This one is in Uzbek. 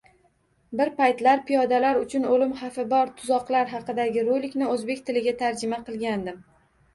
Bir paytlar piyodalar uchun oʻlim xavfi bor tuzoqlar haqidagi rolikni oʻzbek tiliga tarjima qilgandim.